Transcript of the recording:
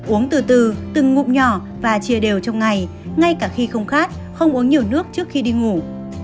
uống từ từ từng ngụm nhỏ và chia đều trong ngày ngay cả khi không khát không uống nhiều nước trước khi đi ngủ